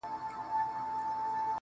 بیرته چي یې راوړې، هغه بل وي زما نه .